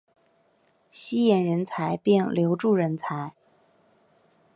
吸引人才并留住人才